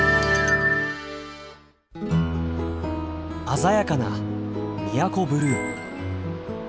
鮮やかな宮古ブルー。